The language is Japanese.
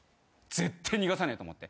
絶対逃がさねえと思って。